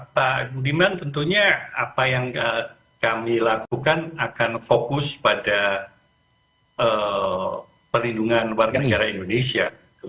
pak budiman tentunya apa yang kami lakukan akan fokus pada perlindungan warga negara indonesia